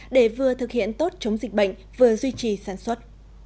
để vừa thực hiện tốt chống dịch bệnh vừa duy trì sản xuất